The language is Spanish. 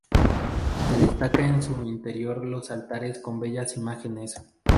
Se destaca en su interior los altares con bellas imágenes.